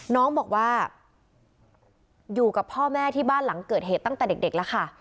น้องบอกว่าอยู่กับพ่อแม่ที่บ้านหลังเกิดเหตุตั้งแต่เด็กแล้วค่ะ